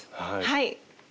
はい。